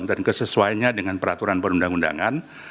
dan kesesuaianya dengan peraturan perundang undangan